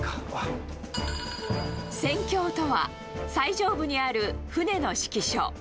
船橋とは、最上部にある船の指揮所。